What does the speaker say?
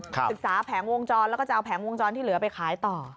ศึกษาแผงวงจรแล้วก็จะเอาแผงวงจรที่เหลือไปขายต่อ